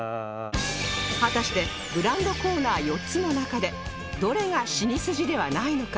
果たしてブランドコーナー４つの中でどれがシニスジではないのか？